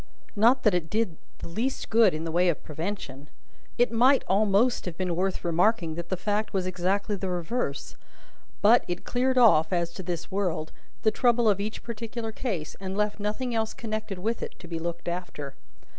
Not that it did the least good in the way of prevention it might almost have been worth remarking that the fact was exactly the reverse but, it cleared off (as to this world) the trouble of each particular case, and left nothing else connected with it to be looked after.